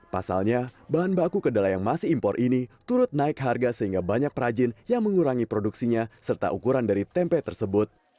pasalnya bahan baku kedelai yang masih impor ini turut naik harga sehingga banyak perajin yang mengurangi produksinya serta ukuran dari tempe tersebut